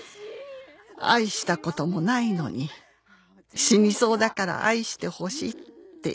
「愛したこともないのに死にそうだから愛してほしいって言ったってね」